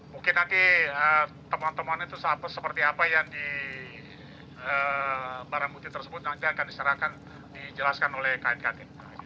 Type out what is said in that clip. mungkin nanti teman teman itu seperti apa yang di barang bukti tersebut nanti akan diserahkan dijelaskan oleh knkt